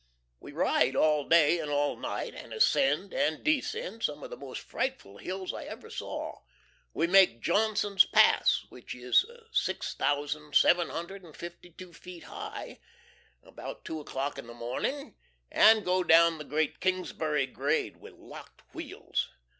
We ride all day and all night, and ascend and descend some of the most frightful hills I ever saw. We make Johnson's Pass, which is 6752 feet high, about two o'clock in the morning, and go down the great Kingsbury grade with locked wheels.